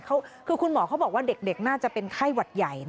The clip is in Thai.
คือคุณหมอเขาบอกว่าเด็กน่าจะเป็นไข้หวัดใหญ่